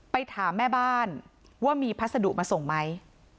ถามแม่บ้านว่ามีพัสดุมาส่งไหม